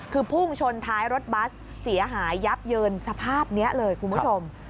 คือพุ่งชนท้ายรถบัสเสียหายยับเยินสภาพนี้เลยคุณผู้ชม